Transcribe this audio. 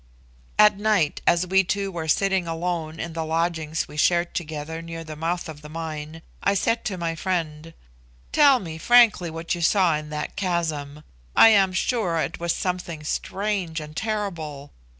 At night, as we two were sitting alone in the lodging we shared together near the mouth of the mine, I said to my friend, "Tell me frankly what you saw in that chasm: I am sure it was something strange and terrible.